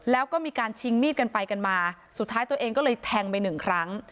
แล้วก็มีการชิงมีดกันไปกันมาสุดท้ายตัวเองก็เลยแทงไปหนึ่งครั้ง